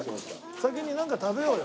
先になんか食べようよ。